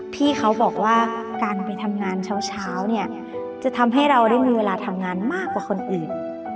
พี่เขาบอกว่าการไปทำงานเช้าเนี่ยจะทำให้เราได้มีเวลาทำงานมากกว่าคนอื่น